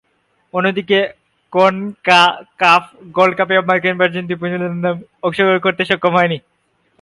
অন্যদিকে, CONCACAF gold কাপেও মার্কিন ভার্জিন দ্বীপপুঞ্জ এপর্যন্ত একবারও অংশগ্রহণ করতে সক্ষম হয়নি।